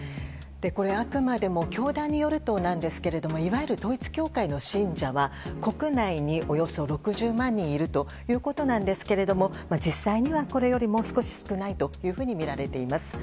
これあくまでも教団によるとなんですがいわゆる統一教会の信者は国内におよそ６０万人いるということですが実際には、これよりもう少し少ないとみられています。